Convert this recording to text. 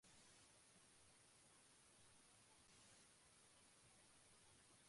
Viaja en condición de secretario de Francisco Villaespesa.